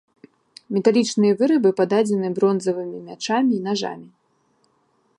Металічныя вырабы пададзены бронзавымі мячамі, нажамі.